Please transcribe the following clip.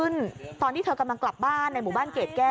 อุ้ยทีนี้มันน่ากลัวเหลือเกินค่ะ